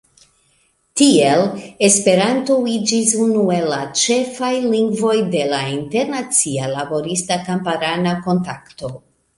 Tiel Esperanto iĝis unu el la ĉefaj lingvoj de la internacia laborista-kamparana kontakto.